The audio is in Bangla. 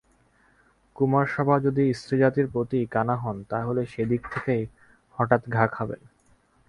কুমারসভা যদি স্ত্রীজাতির প্রতিই কানা হন তা হলে সে দিক থেকেই হঠাৎ ঘা খাবেন।